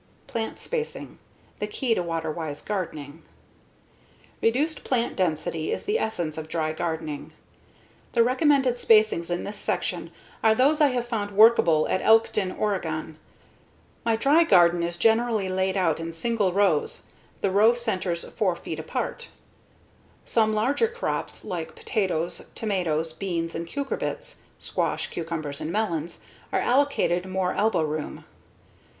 Plant Spacing: The Key to Water Wise Gardening Reduced plant density is the essence of dry gardening. The recommended spacings in this section are those I have found workable at Elkton, Oregon. My dry garden is generally laid out in single rows, the row centers 4 feet apart. Some larger crops, like potatoes, tomatoes, beans, and cucurbits (squash, cucumbers, and melons) are allocated more elbow room.